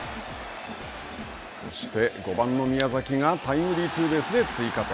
そして、５番の宮崎がタイムリーツーベースで追加点。